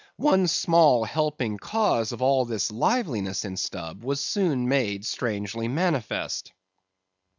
One small, helping cause of all this liveliness in Stubb, was soon made strangely manifest.